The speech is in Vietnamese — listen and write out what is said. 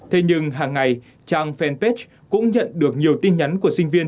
thế nhưng hàng ngày trang fanpage cũng nhận được nhiều tin nhắn của sinh viên